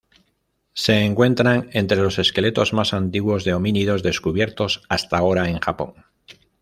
Se encuentran entre los esqueletos más antiguos de homínidos descubiertos hasta ahora en Japón.